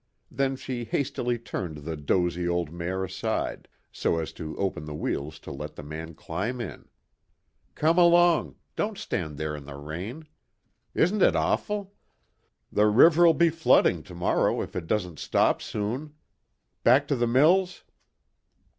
Then she hastily turned the dozy old mare aside, so as to open the wheels to let the man climb in. "Come along; don't stand there in the rain. Isn't it awful? The river'll be flooding to morrow if it doesn't stop soon. Back to the mills?"